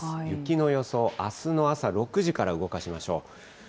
雪の予想、あすの朝６時から動かしましょう。